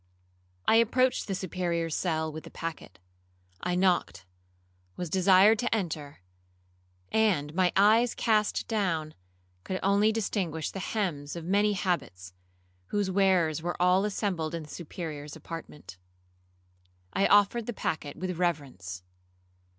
'I approached the Superior's cell with the packet. I knocked, was desired to enter, and, my eyes cast down, could only distinguish the hems of many habits, whose wearers were all assembled in the Superior's apartment. I offered the packet with reverence.